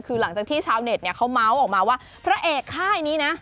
คือหลังจากที่ชาวเน็ตเนี่ยเขาเมาส์ออกมาว่าพระเอกค่ายนี้นะ